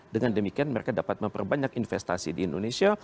dengan demikian mereka dapat memperbanyak investasi di indonesia